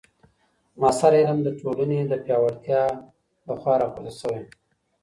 معاصر علم د ټولني د پیاوړتیا له خوا راپورته سو.